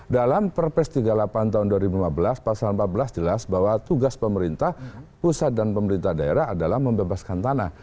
dalam perpres tiga puluh delapan tahun dua ribu lima belas pasal empat belas jelas bahwa tugas pemerintah pusat dan pemerintah daerah adalah membebaskan tanah